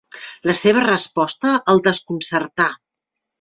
La seva resposta el desconcertà.